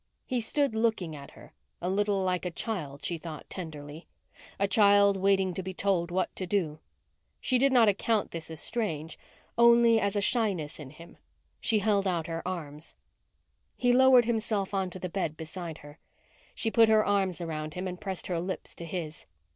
He stood looking at her, a little like a child, she thought tenderly; a child waiting to be told what to do. She did not account this as strange only as a shyness in him. She held out her arms. He lowered himself onto the bed beside her. She put her arms around him and pressed her lips to his.